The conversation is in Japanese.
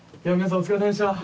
お疲れさまでした！